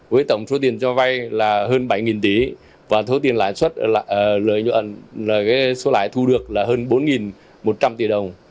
với tổng số tiền cho vay là hơn bảy tỷ và số tiền lãi xuất là hơn bốn một trăm linh tỷ đồng